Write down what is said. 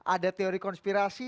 ada teori konspirasi